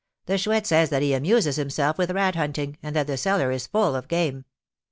"The Chouette says that he amuses himself with rat hunting, and that the cellar is full of game."